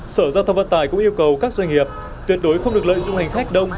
sở giao thông vận tải cũng yêu cầu các doanh nghiệp tuyệt đối không được lợi dung hành khách đông